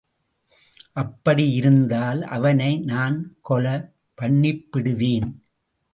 அப்படி இருந்தால் அவனை நான் கொல பண்ணிப்பிடுவேன்.